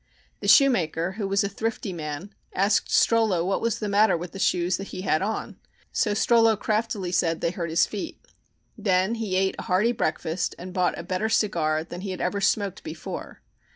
The shoemaker, who was a thrifty man, asked Strollo what was the matter with the shoes he had on, so Strollo craftily said they hurt his feet. Then he ate a hearty breakfast, and bought a better cigar than he had ever smoked before.